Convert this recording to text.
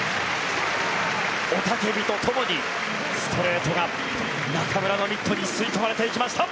雄たけびとともにストレートが中村のミットに吸い込まれていきました。